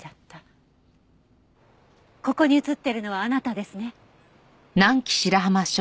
ここに映ってるのはあなたですね。